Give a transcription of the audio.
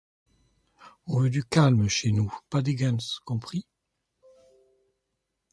On veut du calme, chez nous, pas des guns, compris ?